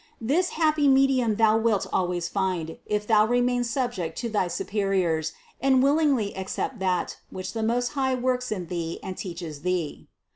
This happy medium thou wilt always find, if thou remain subject to thy su periors and willingly accept that, which the Most High works in thee and teaches thee.